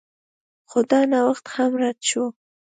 خو دا نوښت هم رد شو.